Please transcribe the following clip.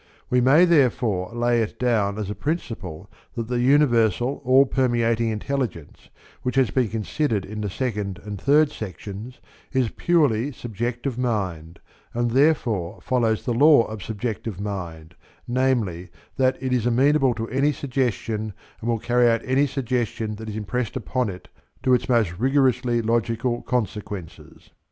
We may therefore lay it down as a principle that the universal all permeating intelligence, which has been considered in the second and third sections, is purely subjective mind, and therefore follows the law of subjective mind, namely that it is amenable to any suggestion, and will carry out any suggestion that is impressed upon it to its most rigorously logical consequences.